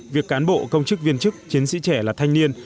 việc cán bộ công chức viên chức chiến sĩ trẻ là thanh niên